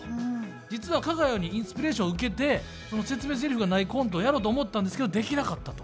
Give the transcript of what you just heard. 実はかが屋にインスピレーションを受けてその説明ゼリフがないコントをやろうと思ったんですけどできなかったと。